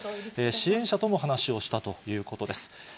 支援者とも話をしたということです。